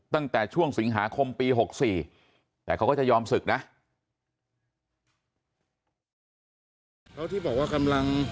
ตั้งแต่ช่วงสิงหาคมปี๖๔แต่เขาก็จะยอมศึกนะ